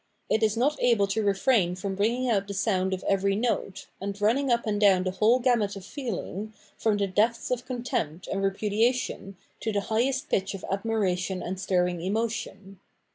It is not able to refrain from bringing out the sound of every note, and running up and down the whole gamut of feeling, from the depths of contempt and repudiation to the highest pitch of admiration and stirring emotion.